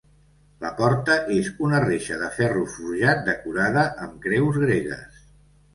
La porta és una reixa de ferro forjat decorada amb creus gregues.